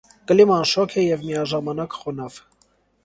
Կլիման շոգ է և միաժամանակ խոնավ։